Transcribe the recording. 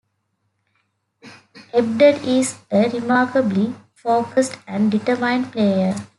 Ebdon is a remarkably focused and determined player.